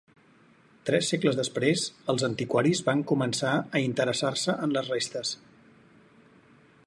Tres segles després, els antiquaris van començar a interessar-se en les restes.